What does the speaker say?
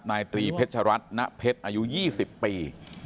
นายตรีเพชรัตนเพชรอายุ๒๐ปี